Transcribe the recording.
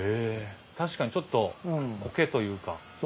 確かにちょっとコケというか。